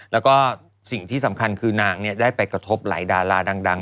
แล้วก็สิ่งที่สำคัญคือนางได้ไปกระทบหลายดาราดัง